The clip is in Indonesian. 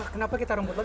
kenapa kita rumput laut